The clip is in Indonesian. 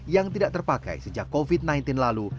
yang tidak terpakai sejak covid sembilan belas lalu